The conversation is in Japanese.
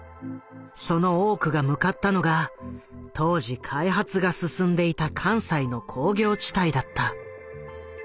その多くが向かったのが当時開発が進んでいた関西の工業地帯だった。